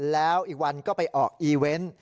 แล้วอีกวันก็ไปออกอีเวนต์